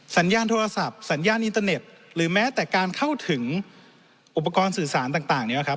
สัญญาณโทรศัพท์สัญญาณอินเตอร์เน็ตหรือแม้แต่การเข้าถึงอุปกรณ์สื่อสารต่างเนี่ยครับ